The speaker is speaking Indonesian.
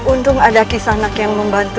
untung ada kisah anak yang membantu